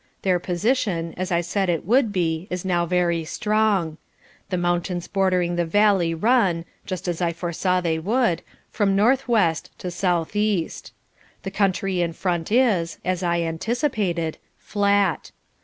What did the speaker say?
Their position, as I said it would be, is now very strong. The mountains bordering the valley run just as I foresaw they would from northwest to southeast. The country in front is, as I anticipated, flat.